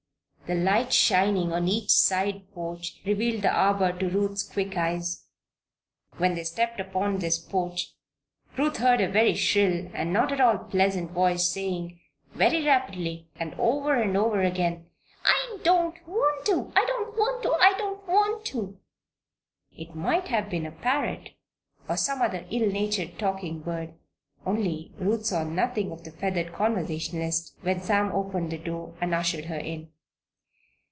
The light shining on the side porch revealed the arbor to Ruth's quick eyes. When they stepped upon this porch Ruth heard a very shrill and not at all pleasant voice saying very rapidly, and over and over again: "I don't want to! I don't want to! I don't want to!" It might have been a parrot, or some other ill natured talking bird; only Ruth saw nothing of the feathered conversationalist when Sam opened the door and ushered her in.